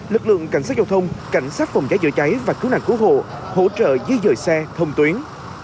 lực lượng cảnh sát giao thông cảnh sát phòng giải dựa cháy và cứu nạn cứu hộ hỗ trợ dưới dời xe thông tuyến